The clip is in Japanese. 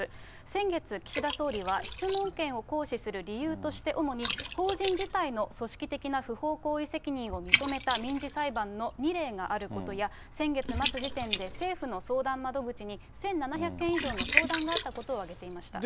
先月、岸田総理は、質問権を行使する理由として、主に法人自体の組織的な不法行為責任を認めた民事裁判の２例があることや、先月末時点で政府の相談窓口に１７００件以上の相談があったことを挙げていました。